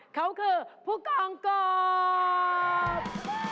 เขาคือผู้กองกบ